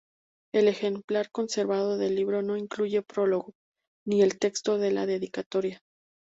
El ejemplar conservado del libro no incluye prólogo, ni el texto de la dedicatoria.